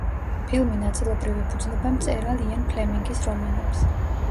ფილმი ნაწილობრივ ეფუძნება მწერალ იენ ფლემინგის რომანებს.